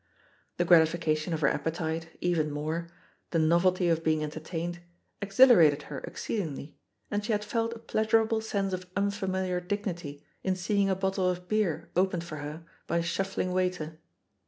The gratification of her appetite, even more, the novelty of being entertained, exhilarated her ex ceedingly, and she had felt a pleasurable sense of unfamiliar dignity in seeing a bottle of beer opened for her by a shufiling waiter.